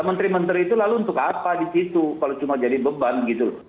menteri menteri itu lalu untuk apa di situ kalau cuma jadi beban gitu